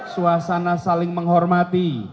suasana saling menghormati